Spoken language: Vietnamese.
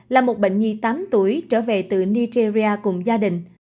là một bệnh nhi tám tuổi trở về từ nigeria cùng gia đình